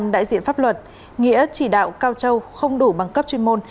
đại diện pháp luật nghĩa chỉ đạo cao châu không đủ bằng cấp chuyên môn